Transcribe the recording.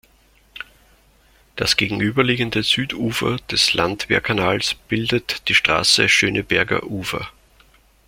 Das gegenüberliegende Südufer des Landwehrkanals bildet die Straße Schöneberger Ufer.